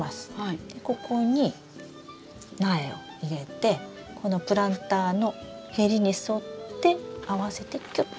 でここに苗を入れてこのプランターの縁に沿って合わせてキュッ。